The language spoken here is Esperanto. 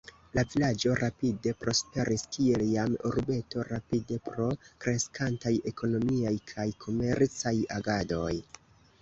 La vilaĝo rapide prosperis kiel jam urbeto rapide pro kreskantaj ekonomiaj kaj komercaj agadoj.